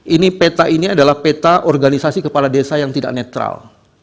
ini peta ini adalah peta organisasi kepala desa yang tidak netral